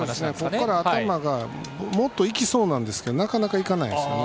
ここから頭がもっと行きそうなんですけどなかなか行かないんですよね。